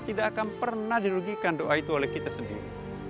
tidak akan pernah dirugikan doa itu oleh kita sendiri